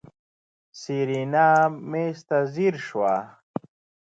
سېرېنا مېز ته ځير شوه.